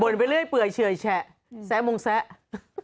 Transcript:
บนไปเรื่อยเปื่อยชื่อไอ้แชแส๋มงแส๋